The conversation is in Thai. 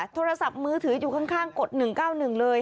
โทรศัพท์มือถืออยู่ข้างกด๑๙๑เลย